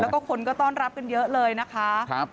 แล้วก็คนก็ต้อนรับกันเยอะเลยนะคะ